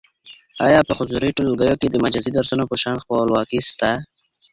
آیا په حضوري ټولګیو کي د مجازي درسونو په شان خپلواکي سته؟